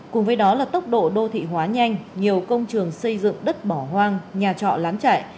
cùng với đó là tốc độ đô thị hóa nhanh nhiều công trường xây dựng đất bỏ hoang nhà trọ lán chạy